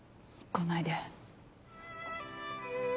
来ないで。